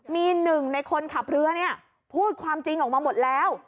มีหนึ่งในคนขับเรือเนี่ยพูดความจริงออกมาหมดแล้ว